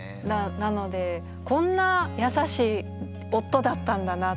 なのでこんな優しい夫だったんだなって。